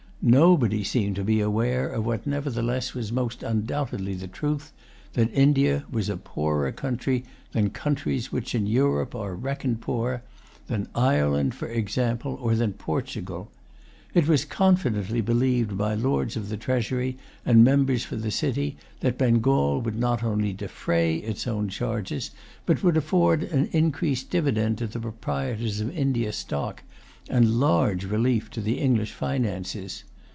Nobody seemed to be aware of what nevertheless was most undoubtedly the truth, that India was a poorer country than countries which in Europe are reckoned poor, than Ireland, for example, or than Portugal. It was confidently believed by lords of the treasury and members for the city that Bengal would not only defray its own charges, but would afford an increased dividend to the proprietors of India stock, and large relief to the English finances.